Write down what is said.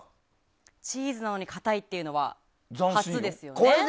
チーズなのにかたいっていうのは初ですよね。